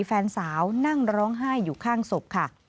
แฟนสาวนั่งร้องไห้อยู่ข้างศพค่ะ